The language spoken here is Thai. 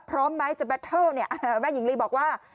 พร้อมไหมจะแบตเทิลเนี่ยแม่หญิงลีบอกว่า